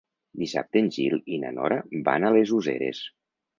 Dissabte en Gil i na Nora van a les Useres.